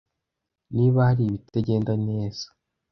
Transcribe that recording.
Niba hari ibitagenda neza